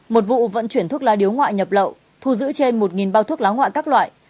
một vụ vận chuyển thuốc lá điếu ngoại nhập lậu thu giữ trên một bao thuốc lá ngoại các loại